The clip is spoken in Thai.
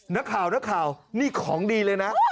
นักข่าวนักข่าวนี่ของดีเลยนะ